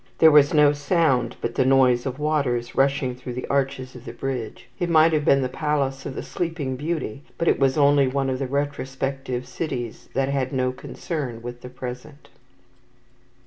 There was no sound but the noise of waters rushing through the arches of the bridge. It might have been the palace of the Sleeping Beauty, but was only one of the retrospective cities that had no concern with the present."